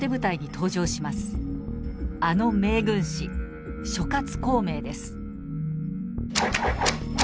あの名軍師諸孔明です。